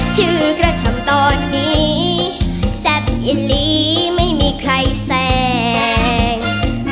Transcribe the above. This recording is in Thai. ชื่อกระช่ำตอนนี้แซ่บอิลลีไม่มีใครแสง